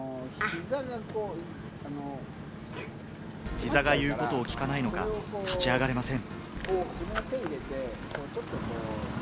膝がいうことをきかないのか、立ち上がれません。